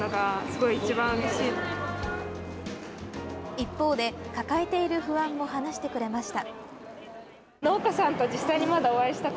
一方で抱えている不安も話してくれました。